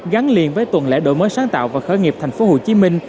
gắn liền với tuần lễ đổi mới sáng tạo và khởi nghiệp thành phố hồ chí minh